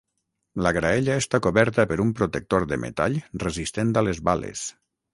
La graella està coberta per un protector de metall resistent a les bales.